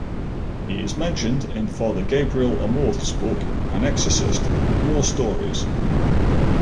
He is mentioned in Father Gabriele Amorth's book "An Exorcist: More Stories".